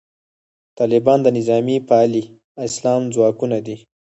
طالبان د نظامي پالي اسلام ځواکونه دي.